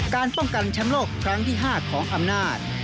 การป้องกันแชมป์โลกครั้งที่๕ของอำนาจ